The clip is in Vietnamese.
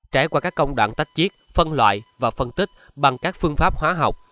trải qua các công đoạn tách chiết phân loại và phân tích bằng các phương pháp hóa học